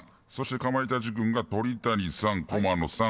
かまいたち軍が鳥谷さん、駒野さん